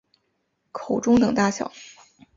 口中等大小。